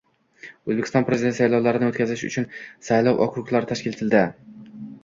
O‘zbekiston Prezidenti saylovlarini o‘tkazish uchun saylov okruglari tashkil etildi